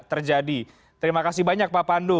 terjadi terima kasih banyak pak pandu